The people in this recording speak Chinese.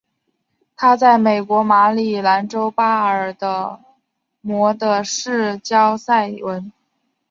她在美国马里兰州巴尔的摩的市郊塞文。